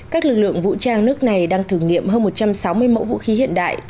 các lực lượng vũ trang nước này đang thử nghiệm hơn một trăm sáu mươi mẫu vũ khí hiện đại